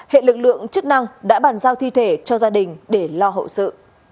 hệ lực lượng chức năng đã bàn giao thi thể cho gia đình để lo hậu sự